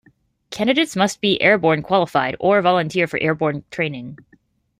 Candidates must be airborne qualified or volunteer for airborne training.